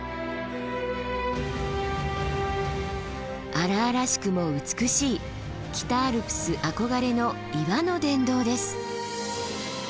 荒々しくも美しい北アルプス憧れの岩の殿堂です。